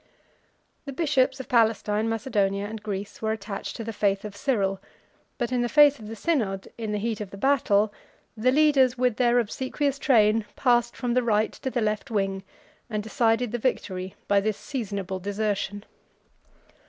The bishops of Palestine, Macedonia, and Greece, were attached to the faith of Cyril; but in the face of the synod, in the heat of the battle, the leaders, with their obsequious train, passed from the right to the left wing, and decided the victory by this seasonable desertion.